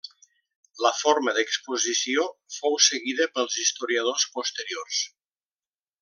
La forma d’exposició fou seguida pels historiadors posteriors.